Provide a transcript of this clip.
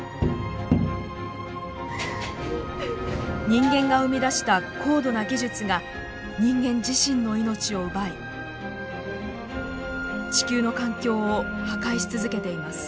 人間が生み出した高度な技術が人間自身の命を奪い地球の環境を破壊し続けています。